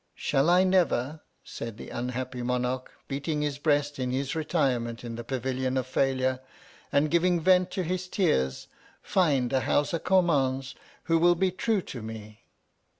Shall I never, said the unhappy Monarch, beating his breast in his retirement in the Pavilion of Failure, and giving vent to his tears, find a Howsa Kummauns, who will be true to me